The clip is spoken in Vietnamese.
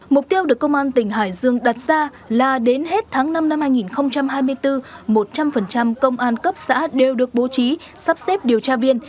mục tiêu được công an tỉnh hải dương đặt ra là đến hết tháng năm năm hai nghìn hai mươi bốn một trăm linh công an cấp xã đều được bố trí sắp xếp điều tra viên